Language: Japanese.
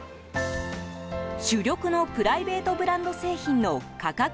主力のプライベートブランド製品の価格